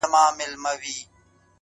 پوهه د انسان تر ټولو اوږدمهاله ملګرې ده